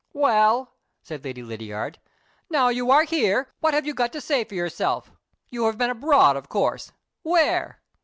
"Well," said Lady Lydiard, "now you are here, what have you got to say for yourself? You have been abroad, of course! Where?"